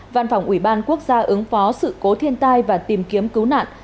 văn phòng ủy ban quốc gia ứng phó sự cố thiên tai và tìm kiếm cứu nạn